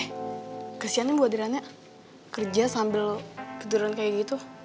eh kesiannya ibu adriana kerja sambil keturunan kayak gitu